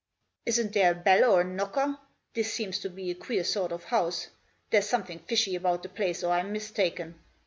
" Isn't there a bell or a knocker ? This seems to be a queer sort of a house. There's some thing fishy about the place, or I'm mistaken."